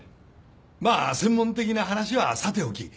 まあ専門的な話はさておき